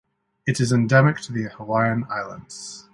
It is endemic to the Hawaiian Islands.